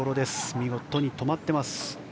見事に止まっています、中島。